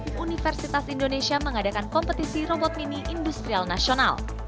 tim universitas indonesia mengadakan kompetisi robot mini industrial nasional